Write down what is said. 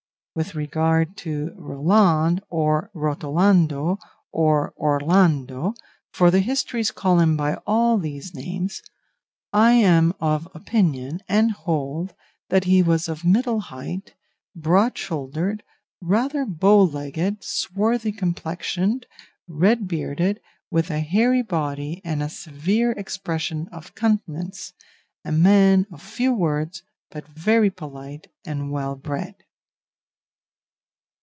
With regard to Roland, or Rotolando, or Orlando (for the histories call him by all these names), I am of opinion, and hold, that he was of middle height, broad shouldered, rather bow legged, swarthy complexioned, red bearded, with a hairy body and a severe expression of countenance, a man of few words, but very polite and well bred."